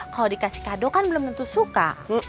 kalau dikasih kado kan belum tentu suka